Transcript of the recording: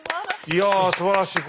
いやすばらしい。